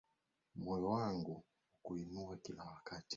Moyo wangu ukuinue kila wakati.